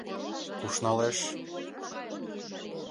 — Куш налеш